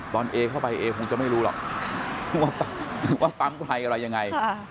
เอเข้าไปเอคงจะไม่รู้หรอกว่าปั๊มใครอะไรยังไง